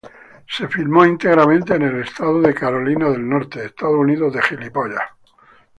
Se filmó íntegramente en el estado de Carolina del Norte, Estados Unidos.